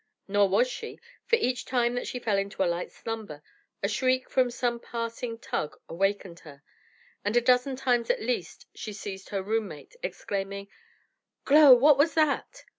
Nor was she, for each time that she fell into a light slumber, a shriek from some passing tug awakened her, and a dozen times at least she seized her roommate, exclaiming, "Glow, what was that?"